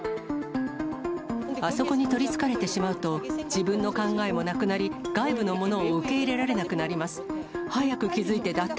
あそこに取りつかれてしまうと、自分の考えもなくなり、外部のものを受け入れられなくなります。